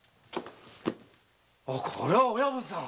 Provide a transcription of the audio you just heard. これは親分さん！